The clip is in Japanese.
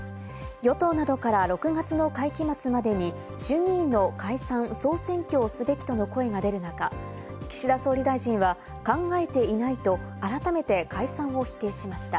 与党などから６月の会期末までに衆議院の解散・総選挙をすべきとの声が出る中、岸田総理大臣は考えていないと改めて解散を否定しました。